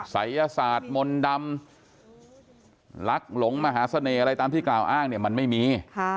ศัยศาสตร์มนต์ดำลักหลงมหาเสน่ห์อะไรตามที่กล่าวอ้างเนี่ยมันไม่มี